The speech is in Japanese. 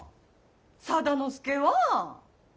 定之助は！